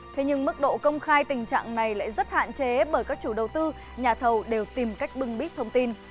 thế nhưng mức độ công khai tình trạng này lại rất hạn chế bởi các chủ đầu tư nhà thầu đều tìm cách bưng bít thông tin